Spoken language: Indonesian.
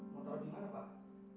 mau taruh dimana pak